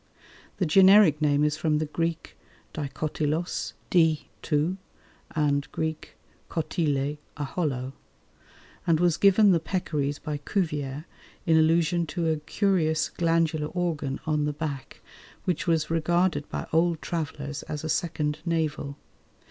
The generic name is from the Greek [Greek: dikotylos] ([Greek: di] two, and [Greek: kotylê], a hollow), and was given the peccaries by Cuvier in allusion to a curious glandular organ on the back which was regarded by old travellers as a second navel.